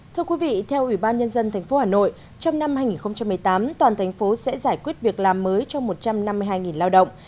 thưa quý vị theo ủy ban nhân dân tp hà nội trong năm hai nghìn một mươi tám toàn thành phố sẽ giải quyết việc làm mới cho một trăm năm mươi hai lao động